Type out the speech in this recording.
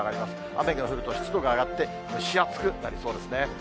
雨が降ると湿度が上がって蒸し暑くなりそうですね。